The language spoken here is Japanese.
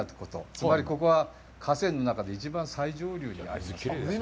つまり、ここは河川の中で一番、最上流になります。